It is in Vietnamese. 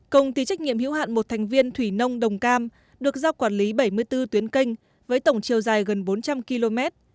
công ty trách nhiệm hữu hạn một thành viên thủy nông đồng cam được giao quản lý bảy mươi bốn tuyến canh với tổng chiều dài gần bốn trăm linh km